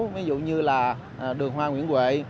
ví dụ như là đường hoa nguyễn quệ